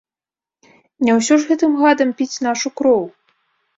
Не ўсё ж гэтым гадам піць нашу кроў!